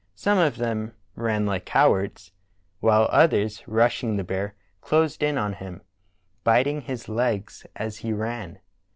Some of them ran like cowards, while others, rushing the bear, closed in on him, biting his legs as he ran.